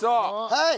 はい。